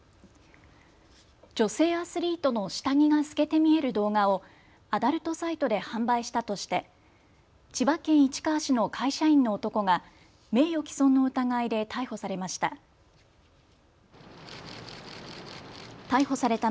女性アスリートの下着が透けて見える動画をアダルトサイトで販売したとして千葉県市川市の会社員の男が名誉毀損の疑いで逮捕されました。